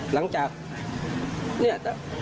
หลังจากเนี่ย